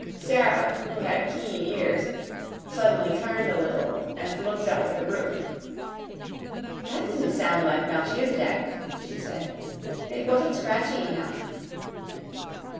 Sara, who had keen ears, suddenly turned a little and looked up at the roof. "That didn't sound like Melchisedec," she said. "It wasn't scratchy enough."